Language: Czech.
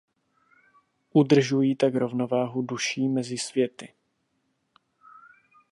Udržují tak rovnováhu duší mezi světy.